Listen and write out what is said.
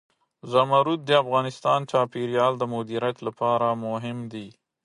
زمرد د افغانستان د چاپیریال د مدیریت لپاره مهم دي.